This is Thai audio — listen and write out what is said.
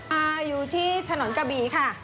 อ่าอยู่ที่ถนนกะบีค่ะ